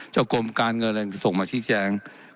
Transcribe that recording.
เจ้ากรมการเงินส่งมาชี้แจง